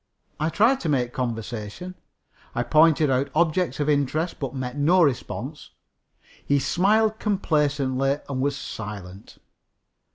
I tried to make conversation. I pointed out objects of interest, but met no response. He smiled complacently and was silent.